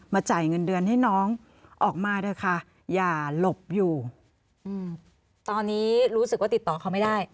เพราะรู้สึกว่าติดต่อเขาไม่ได้